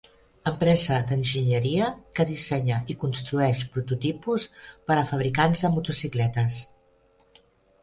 Empresa d'enginyeria que dissenya i construeix prototipus per a fabricants de motocicletes.